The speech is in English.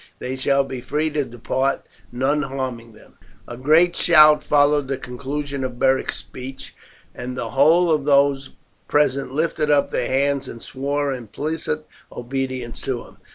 They shall be free to depart, none harming them." A great shout followed the conclusion of Beric's speech, and the whole of those present lifted up their hands and swore implicit obedience to him.